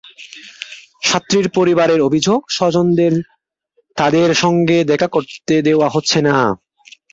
ছাত্রীর পরিবারের অভিযোগ, স্বজনদের তাদের সঙ্গে দেখা করতে দেওয়া হচ্ছে না।